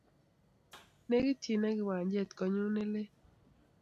Nekitchin ak kiwanjet konyun ne lel